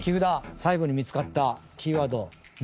最後に見つかったキーワード３つ。